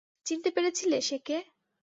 চিনতে পেরেছিলে সে কে?